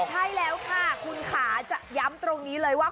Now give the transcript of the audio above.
ใช่แล้วค่ะคุณค่ะจะย้ำตรงนี้เลยว่า